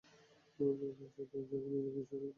নায়না জয়সওয়াল কি সঠিক নাকি ভুল?